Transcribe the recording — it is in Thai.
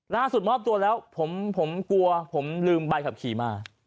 มอบตัวแล้วผมกลัวผมลืมใบขับขี่มา